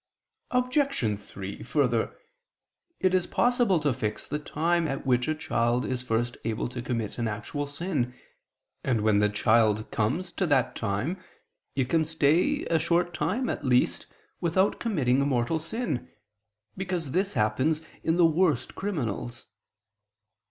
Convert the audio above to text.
Obj. 3: Further, it is possible to fix the time at which a child is first able to commit an actual sin: and when the child comes to that time, it can stay a short time at least, without committing a mortal sin, because this happens in the worst criminals.